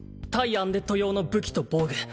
アンデッド用の武器と防具